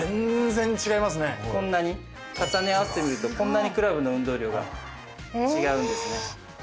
重ね合わせてみるとこんなにクラブの運動量が違うんですね。